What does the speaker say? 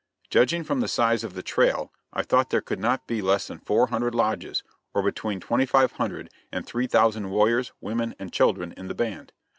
Judging from the size of the trail, I thought there could not be less than four hundred lodges, or between twenty five hundred and three thousand warriors, women and children in the band.